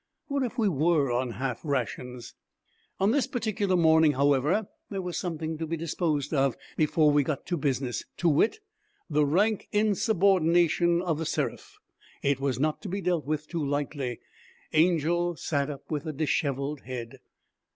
What if we were on half rations! On this particular morning, however, there was something to be disposed of before we got to business: to wit, the rank insubordination of The Seraph. It was not to be dealt with too lightly. Angel sat up with a disheveled head.